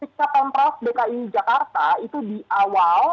sikap mprdki jakarta itu di awal